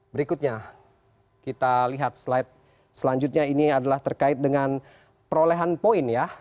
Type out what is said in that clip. berikutnya kita lihat slide selanjutnya ini adalah terkait dengan perolehan poin ya